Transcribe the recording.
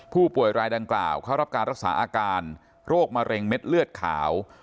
ผู้ป่วยรายดังกล่าวเข้ารับการรักษาอาการโรคมะเร็งเม็ดเลือดขาว